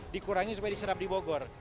dikurangi supaya diserap di bogor